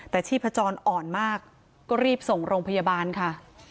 แต่ชีพจรอ่อนมากก็รีบส่งโรงพยาบาลค่ะ